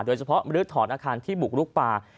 โดยเฉพาะหรือถอนอาคารที่บุกลุกป่า